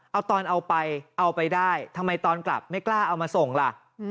เอาตอนเอาไปเอาไปได้ทำไมตอนกลับไม่กล้าเอามาส่งล่ะ